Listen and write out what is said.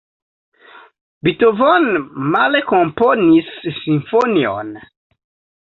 Beethoven male komponis simfonion.